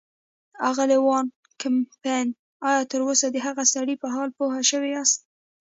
اغلې وان کمپن، ایا تراوسه د هغه سړي په حال پوه شوي یاست.